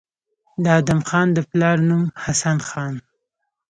د ادم خان د پلار نوم حسن خان